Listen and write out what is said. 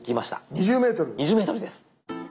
２０ｍです。